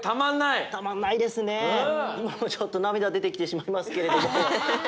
いまもちょっとなみだでてきてしまいますけれども。